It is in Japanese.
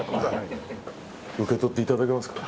受け取っていただけますか。